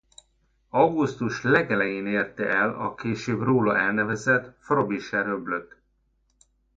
Augusztus legelején érte el a később róla elnevezett Frobisher-öblöt.